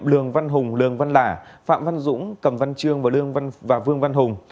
lường văn hùng lường văn lả phạm văn dũng cầm văn trương và vương văn hùng